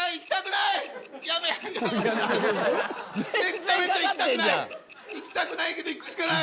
いきたくないけどいくしかない。